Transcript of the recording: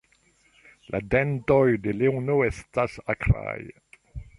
La dentoj de leono estas akraj.